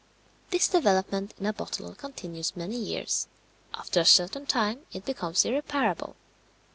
This development in a bottle continues many years. After a certain time it becomes irreparable.